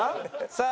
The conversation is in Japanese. さあ